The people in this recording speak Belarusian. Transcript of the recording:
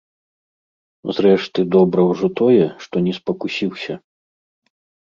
Зрэшты, добра ўжо тое, што не спакусіўся.